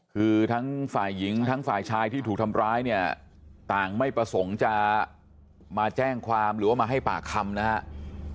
คือทั้งฝ่ายหญิงทั้งฝ่ายชายที่ถูกทำร้ายเนี่ยต่างไม่ประสงค์จะมาแจ้งความหรือว่ามาให้ปากคำนะครับ